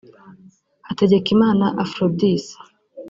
Hategikimana Aphrodis